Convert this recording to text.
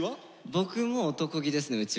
僕も男気ですねうちは。